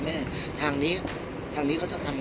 พี่อัดมาสองวันไม่มีใครรู้หรอก